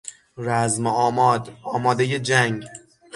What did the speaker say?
رزم آماد، آمادهی جنگ